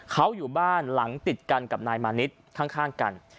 เขาอยู่บ้านหลังติดกันกับนายมานิดข้างกัน